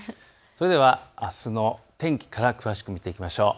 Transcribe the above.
それではあすの天気から詳しく見ていきましょう。